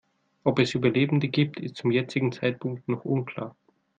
Ob es Überlebende gibt, ist zum jetzigen Zeitpunkt noch unklar.